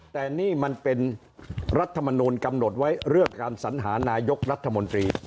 แต่นี่มันเป็นรัฐมนูลกำหนดไว้เรื่องการสัญหานายกรัฐมนตรี